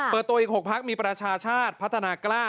เปิดตัวอีก๖พักมีประชาชาติพัฒนากล้า